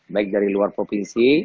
baik dari luar provinsi